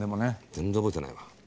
全然覚えてないわ。